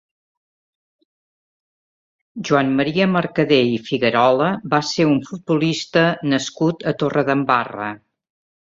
Joan Maria Mercadé i Figuerola va ser un futbolista nascut a Torredembarra.